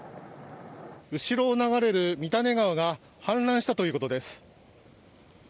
後ろを流れる三種川が氾濫したということです。